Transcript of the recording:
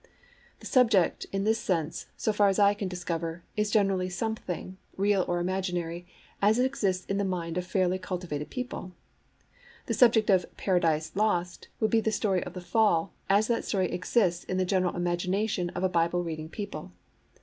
The subject, in this sense, so far as I can discover, is generally something, real or imaginary, as it exists in the minds of fairly cultivated people. The subject of Paradise Lost would be the story of the Fall as that story exists in the general imagination of a Bible reading people.